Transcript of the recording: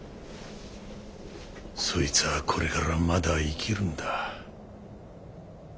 そいつはこれからまだ生きるんだ。